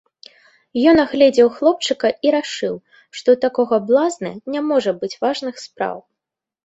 Ён агледзеў хлопчыка і рашыў, што ў такога блазна не можа быць важных спраў.